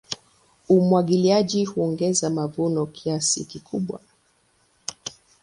Umwagiliaji huongeza mavuno kiasi kikubwa.